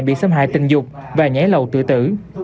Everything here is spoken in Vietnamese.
bị xâm hại tình dục và nhảy lầu tự tử